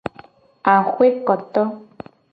Axwekoto.